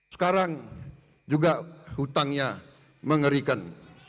sekarang juga hutangnya mengerikan